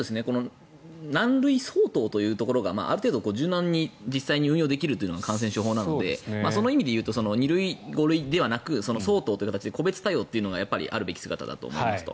何類相当というところがある程度柔軟に運用できるというのが感染症法なのでその意味で言うと２類、５類ではなくて相当という形で個別対応があるべき姿だと思いますと。